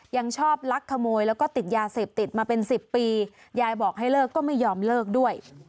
ยังชอบลักขโมยแล้วก็ติดยาเสพติดมาเป็นสิบปียายบอกให้เลิกก็ไม่ยอมเลิกด้วย